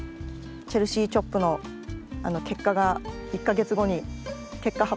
チェルシー・チョップの結果が１か月後に結果発表で。